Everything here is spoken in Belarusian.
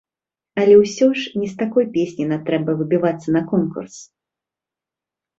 Але, усё ж, з не такой песняй нам трэба выбівацца на конкурс.